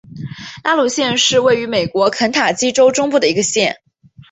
拉鲁县是位于美国肯塔基州中部的一个县。